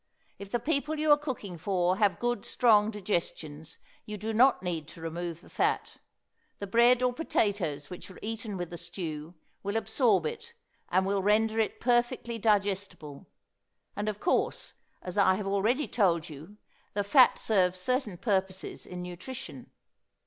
If the people you are cooking for have good strong digestions you do not need to remove the fat. The bread or potatoes which are eaten with the stew will absorb it and will render it perfectly digestible; and, of course, as I have already told you, the fat serves certain purposes in nutrition.